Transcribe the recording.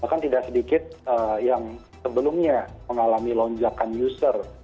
bahkan tidak sedikit yang sebelumnya mengalami lonjakan user